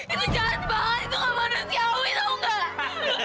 itu jahat banget itu nggak manusiawi tau nggak